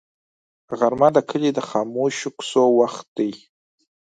غرمه د کلي د خاموشو کوڅو وخت دی